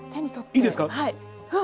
いいですか？